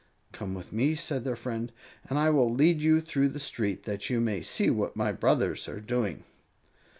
"Come with me," said their friend, "and I will lead you through the street, that you may see what my brothers are doing."